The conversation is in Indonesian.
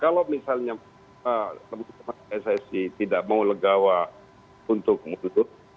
kalau misalnya ssi tidak mau legawa untuk mundur